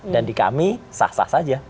dan di kami sah sah saja